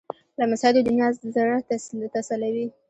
لمسی د نیا زړه تسلوي.